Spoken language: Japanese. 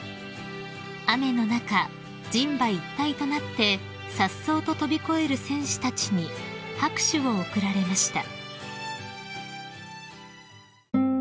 ［雨の中人馬一体となってさっそうと跳び越える選手たちに拍手を送られました］